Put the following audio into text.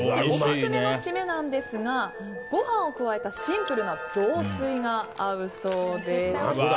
オススメの締めなんですがご飯を加えたシンプルな雑炊が合うそうです。